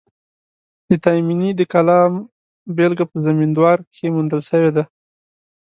د تایمني د کلام بېلګه په زمینداور کښي موندل سوې ده.